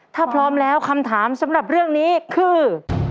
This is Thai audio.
ถ้าพร้อมแล้วคำถามสำหรับเรื่องนี้คือ